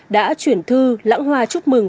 đã chuyển thư lãng hoà chúc mừng